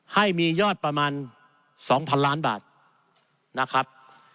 ให้มียอดประมาณ๒๐๐๐ล้านบาทนะครับ